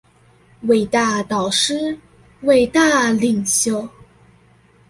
偉大導師、偉大領袖